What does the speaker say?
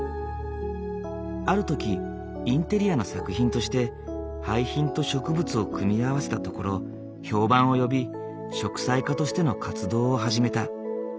ある時インテリアの作品として廃品と植物を組み合わせたところ評判を呼び植栽家としての活動を始めた。